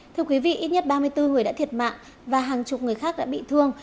thưa quý vị ít nhất ba mươi bốn người đã thiệt mạng và hàng chục người khác đã bị thương